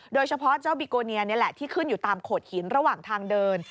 โดยเฉพาะเจ้าบิโกเนียนี่แหละที่ขึ้นอยู่ตามโขดหินระหว่างทางเดิน